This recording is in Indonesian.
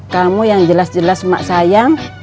kamu yang jelas jelas mak sayang